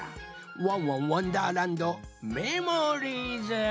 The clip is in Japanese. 「ワンワンわんだーらんどメモリーズ」。